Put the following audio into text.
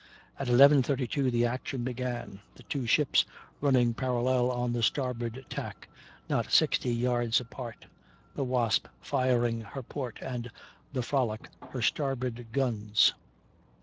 At 11.32 the action began the two ships running parallel on the starboard tack, not 60 yards apart, the Wasp, firing her port, and the Frolic her starboard, guns.